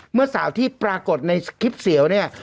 เมื่อสาวที่ปรากฏในคลิปเสียวเนี่ย